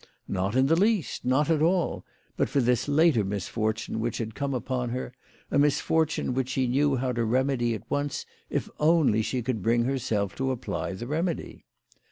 Not in the least, not at all, but for this later misfortune which had come upon her, a misfor tune which she knew how to remedy at once if only she could bring herself to apply the remedy.